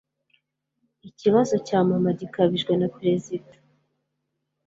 Ikibazo cya mama gikabijwe na perezida